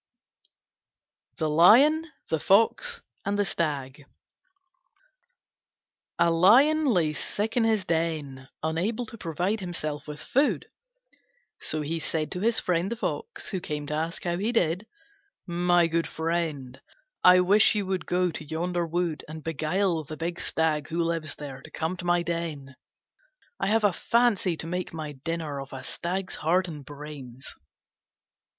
THE LION, THE FOX, AND THE STAG A Lion lay sick in his den, unable to provide himself with food. So he said to his friend the Fox, who came to ask how he did, "My good friend, I wish you would go to yonder wood and beguile the big Stag, who lives there, to come to my den: I have a fancy to make my dinner off a stag's heart and brains."